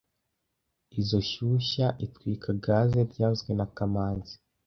Izoi shyushya itwika gaze byavuzwe na kamanzi